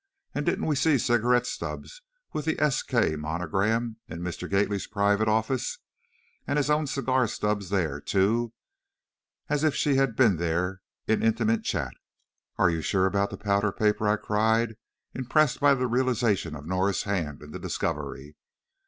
and didn't we see cigarette stubs with the S.K. monogram, in Mr. Gately's private office, and his own cigar stubs there, too, as if she had been there in intimate chat!" "Are you sure about the powder paper?" I cried, impressed by the realization of Norah's hand in the discovery.